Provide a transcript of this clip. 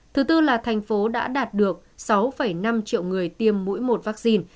thứ tư là thành phố đã đạt được sáu năm triệu người tiêm mỗi một vaccine